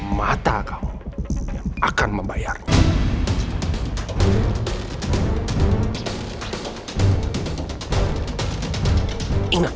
mata kamu yang akan membayarnya